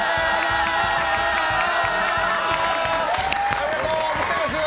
ありがとうございます！